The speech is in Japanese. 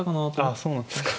あそうなんですか。